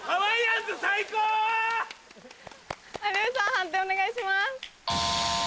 判定お願いします。